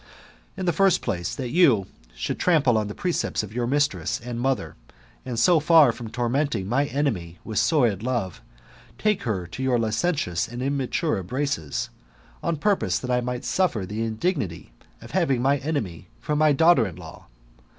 In the first place, that you should trample on the precepts of your mistress and mother, and so far from tormenting my enemy with sordid love, take her to your licentious and immature embraces, on purpose that I might suffer the indignity of having my enemy for my daughter in law.